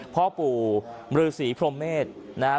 พ่อปู่มรือศรีพรมเมตรนะฮะ